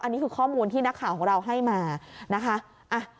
อันนี้คือข้อมูลที่นักข่าวของเราให้มานะคะ